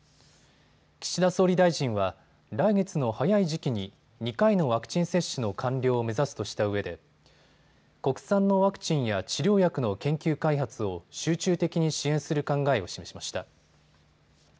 岸田総理大臣は来月の早い時期に２回のワクチン接種の完了を目指すとしたうえで国産のワクチンや治療薬の研究開発を集中的に支援する考えを示しました。